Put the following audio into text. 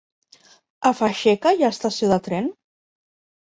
A Fageca hi ha estació de tren?